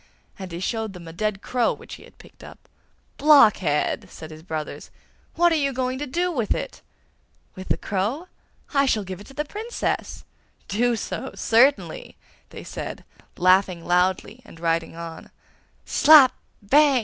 and he showed them a dead crow which he had picked up. 'Blockhead!' said his brothers, 'what are you going to do with it?' 'With the crow? I shall give it to the Princess!' 'Do so, certainly!' they said, laughing loudly and riding on. 'Slap! bang!